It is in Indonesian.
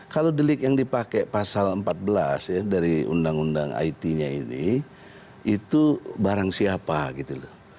kalau delik yang dipakai pasal empat belas ya dari undang undang it nya ini itu barang siapa gitu loh